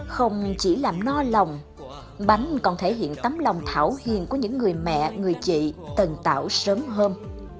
không chỉ làm no lòng bánh còn thể hiện tấm lòng thảo hiền của những người mẹ người chị tần tạo sớm hơn